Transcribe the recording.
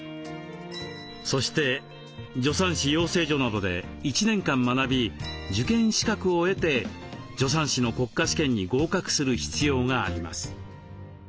そして助産師養成所などで１年間学び受験資格を得て助産師の国家試験に合格する必要があります。